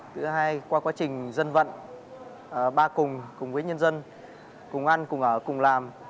thứ hai qua quá trình dân vận ba cùng cùng với nhân dân cùng ăn cùng ở cùng làm